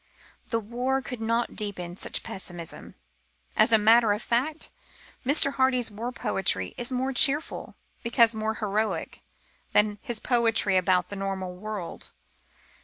The war could not deepen such pessimism. As a matter of fact, Mr. Hardy's war poetry is more cheerful, because more heroic, than his poetry about the normal world.